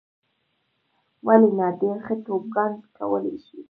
ولې نه. ډېر ښه توبوګان کولای شې.